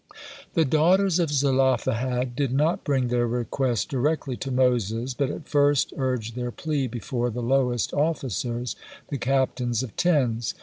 The daughters of Zelophehad did not bring their request directly to Moses, but at first urged their plea before the lowest officers, the captains of tens.